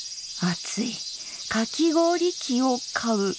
「かき氷器を買う」。